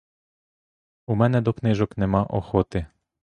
У мене до книжок нема охоти.